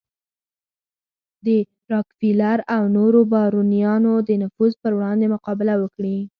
د راکفیلر او نورو بارونیانو د نفوذ پر وړاندې مقابله وکړي.